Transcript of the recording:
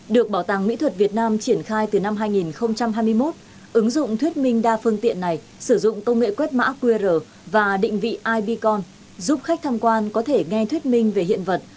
được bảo tàng mỹ thuật việt nam triển khai từ năm hai nghìn hai mươi một ứng dụng thuyết minh đa phương tiện này sử dụng công nghệ quét mã qr và định vị ib con giúp khách tham quan có thể nghe thuyết minh về hiện vật